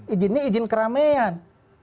izinnya izin keramaian